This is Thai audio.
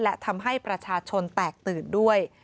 และทำให้ประชาชนแตกตื่นด้วย